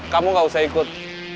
kamu gak usah ikut